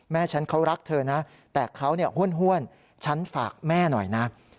ฉันเขารักเธอนะแต่เขาห้วนฉันฝากแม่หน่อยนะ